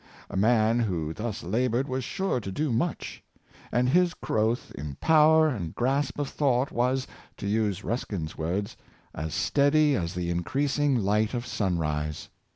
A man who thus labored was sure to do much; and his growth in power and grasp of thought was, to use Ruskin's words, "as steady as the increasing light of sunrise.''